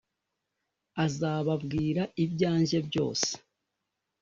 azababwira ibyanjye byose